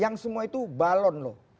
yang semua itu balon loh